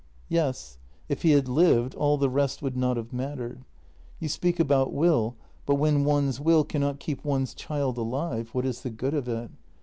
" Yes. If he had lived, all the rest would not have mattered. You speak about will, but when one's will cannot keep one's child alive, what is the good of it